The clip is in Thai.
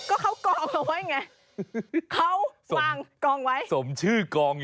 โอ้โฮ